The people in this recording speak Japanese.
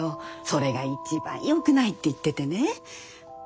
それが一番よくないって言っててね。